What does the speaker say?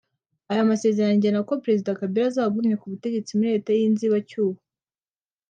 Ayo masezerano agena ko Perezida Kabila azaba agumye ku butegetsi muri leta y’inzibacyuho